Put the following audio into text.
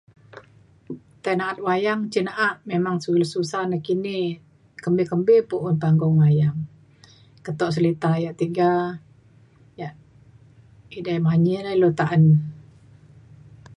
tai na’at wayang cin na’a memang su- susah susah nakini kembi kembi pun un panggung wayang keto selita yak tiga yak edei manyi la ilu ta’an